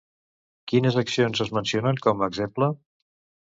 Quines accions es mencionen com a exemple?